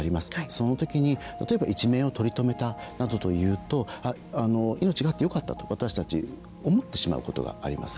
その時に、例えば一命を取り留めたなどというと命があってよかったと私たちは思ってしまうことがあります。